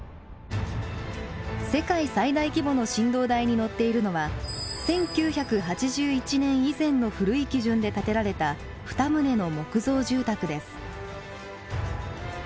世界最大規模の振動台に載っているのは１９８１年以前の古い基準で建てられた２棟の木造住宅です。